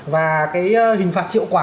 và cái hình phạt hiệu quả